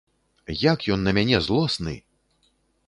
Як ён на мяне злосны!